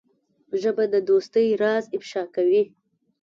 ژبه د دوستۍ راز افشا کوي